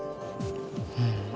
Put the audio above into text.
うん。